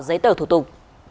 giấy tờ thuộc